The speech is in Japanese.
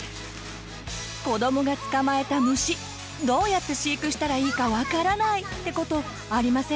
子どもが捕まえた虫どうやって飼育したらいいか分からないって事ありませんか？